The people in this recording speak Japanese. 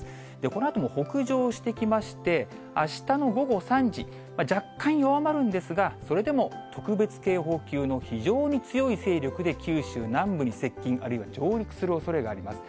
このあとも北上してきまして、あしたの午後３時、若干弱まるんですが、それでも特別警報級の非常に強い勢力で九州南部に接近、あるいは上陸するおそれがあります。